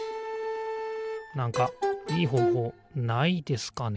なんかいいほうほうないですかね？